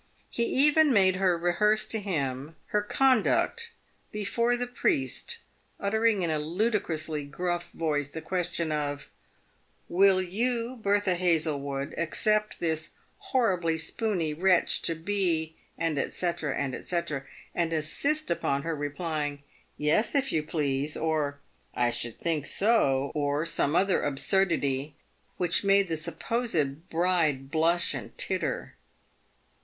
He even made her rehearse to him her conduct before the priest, uttering in a ludicrously gruff voice the question of " Will you, Bertha Hazlewood, accept this horribly spooney wretch to be ?" &c. &c. ; and insist upon her replying, "Yes, if you please," or " I should think so," or some other absurdity, which made the supposed bride blush and titter.